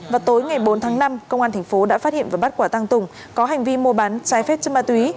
và tối ngày bốn tháng năm công an tp đã phát hiện và bắt quả tăng tùng có hành vi mua bán trái phép chân ma túy